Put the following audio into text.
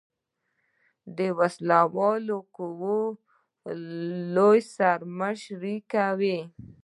د وسله والو قواؤ لویه سر مشري کوي.